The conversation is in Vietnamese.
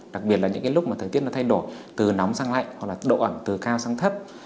đặc biệt là những cái lúc mà thời tiết nó thay đổi từ nóng sang lạnh hoặc là độ ẩm từ cao sang thấp